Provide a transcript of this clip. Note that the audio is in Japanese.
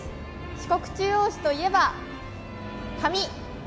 四国中央市といえば紙。